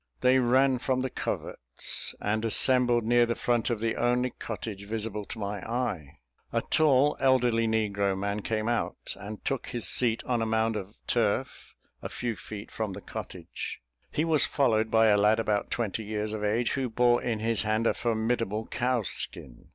They ran from the coverts, and assembled near the front of the only cottage visible to my eye. A tall elderly negro man came out, and took his seat on a mound of turf a few feet from the cottage; he was followed by a lad, about twenty years of age, who bore in his hand a formidable cowskin.